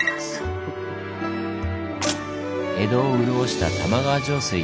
江戸を潤した玉川上水。